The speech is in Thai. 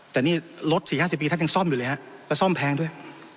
แต่นี่รถ๔๕๐ปีท่านยังซ่อมอยู่เลยฮะแล้วซ่อมแพงด้วย